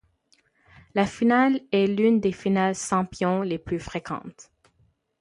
La finale est l'une des finales sans pions les plus fréquentes.